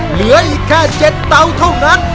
เหลืออีกแค่๗เตาเท่านั้น